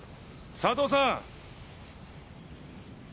佐藤さん！